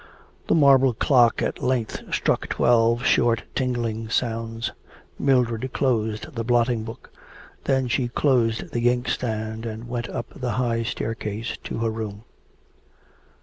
The marble clock at length struck twelve short tingling sounds. Mildred closed the blotting book. Then she closed the ink stand, and went up the high staircase to her room.